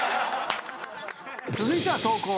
続いては投稿！